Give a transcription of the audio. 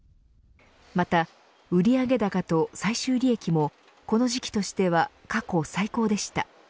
また、売上高と最終利益もこの時期としては過去最高でした。